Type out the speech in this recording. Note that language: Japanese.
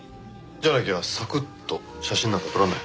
じゃなきゃサクッと写真なんか撮らない。